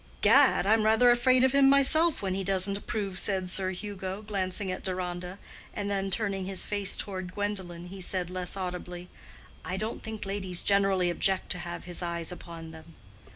"Gad! I'm rather afraid of him myself when he doesn't approve," said Sir Hugo, glancing at Deronda; and then turning his face toward Gwendolen, he said less audibly, "I don't think ladies generally object to have his eyes upon them."